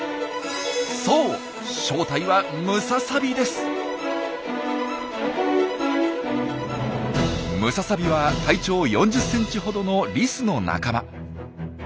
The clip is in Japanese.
そう正体はムササビは体長４０センチほどのリスの仲間。